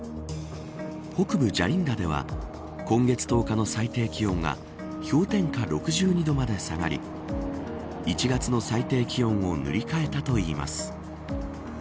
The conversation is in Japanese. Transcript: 北部ジャリンダでは今月１０日の最低気温が氷点下６２度まで下がり１月の最低気温を塗り替えたといいます。